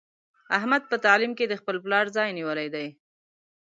احمد په تعلیم کې د خپل پلار ځای نیولی دی.